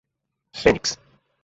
Fênix